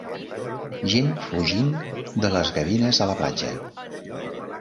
Gent fugint de les gavines a la platja.